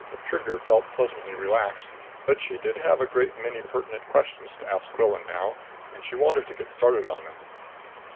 Trigger felt pleasantly relaxed. But she did have a great many pertinent questions to ask Quillan now, and she wanted to get started on them.